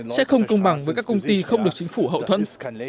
sẽ không công bằng với các công ty không được chính phủ hậu thuẫn